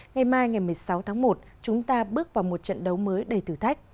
ngày mai ngày một mươi sáu tháng một chúng ta bước vào một trận đấu mới đầy thử thách